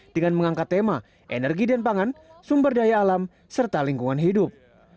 dengan mengangkat tema energi dan pangan sumber daya alam serta lingkungan hidup